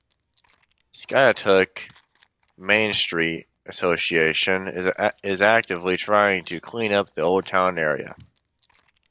Skiatook Main Street Association is actively trying to clean up the old downtown area.